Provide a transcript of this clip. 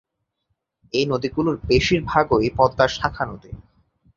এই নদীগুলোর বেশির ভাগই পদ্মার শাখানদী।